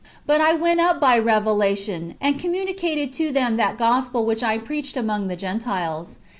But I went up by revelation, and communicated to them that gospel which I preach among the Gentiles."